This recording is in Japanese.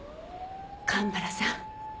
蒲原さん。